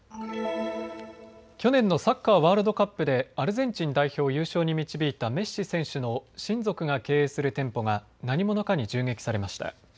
去年のサッカーワールドカップでアルゼンチン代表を優勝に導いたメッシ選手の親族が経営する店舗が何者かに銃撃されました。